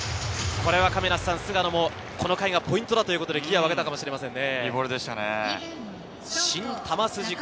菅野もこの回がポイントだと、ギアを上げたかもしれませんね。